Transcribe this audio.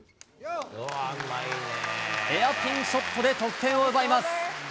ヘアピンショットで得点を奪います。